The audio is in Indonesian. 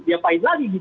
selama mereka di bogor